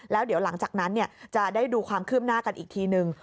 แล้วเดี๋ยวหลังจากนั้นจะได้ดูความคืบหน้ากันอีกทีนึง